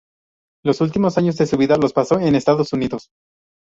Los últimos años de su vida los pasó en Estados Unidos.